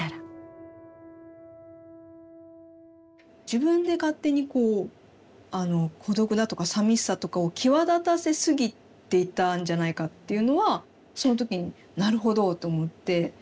自分で勝手にこう孤独だとかさみしさとかを際立たせすぎていたんじゃないかっていうのはその時になるほどって思って。